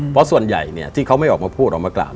เพราะส่วนใหญ่ที่เขาไม่ออกมาพูดออกมากล่าว